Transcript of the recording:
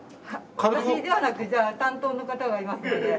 私ではなく担当の方がいますので。